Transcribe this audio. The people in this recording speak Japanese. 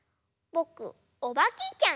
ぼくおばけちゃん！